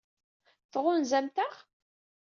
Tɣunzamt-aɣ?